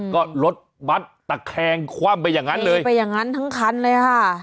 ก็รถบัตรตะแคงคว่ำไปอย่างนั้นเลยไปอย่างนั้นทั้งคันเลยค่ะ